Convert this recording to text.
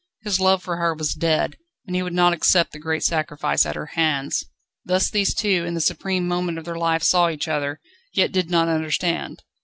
His love for her was dead, and he would not accept the great sacrifice at her hands. Thus these two in the supreme moment of their life saw each other, yet did not understand.